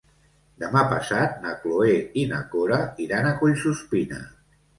Demà passat na Cloè i na Cora iran a Collsuspina.